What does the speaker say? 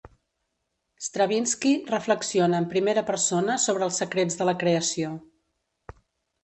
Stravinski reflexiona en primera persona sobre els secrets de la creació.